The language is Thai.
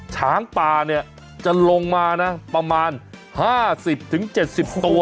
ช้างป่าจะลงมาประมาณ๕๐๗๐ตัว